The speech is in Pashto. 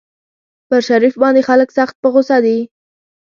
پر شريف باندې خلک سخت په غوسه دي.